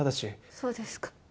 そうですか。